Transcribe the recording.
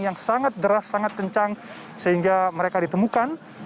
yang sangat deras sangat kencang sehingga mereka ditemukan